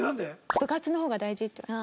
「部活の方が大事」って。